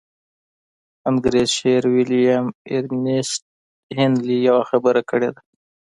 انګرېز شاعر ويليام ايرنيسټ هينلي يوه خبره کړې ده.